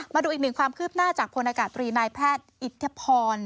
มาดูอีกหนึ่งความคืบหน้าจากพลอากาศตรีนายแพทย์อิทธพร